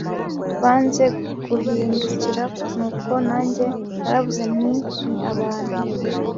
banze guhindukira nuko nanjye naravuze nti ni abantu